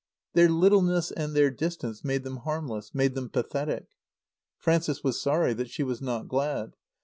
Their littleness and their distance made them harmless, made them pathetic. Frances was sorry that she was not glad.